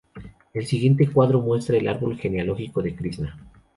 El siguiente cuadro muestra el árbol genealógico de Krisna.